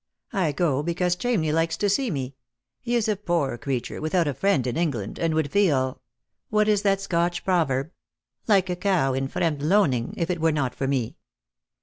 " I go because Ohamney likes to see me. He is a poor creature, without a friend in England, and would feel — what is that Scotch proverb ?— like a cow in a fremd loaning if it were not for me."